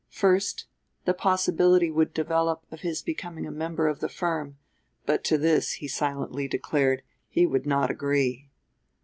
First the possibility would develop of his becoming a member of the firm; but to this, he silently declared, he would not agree.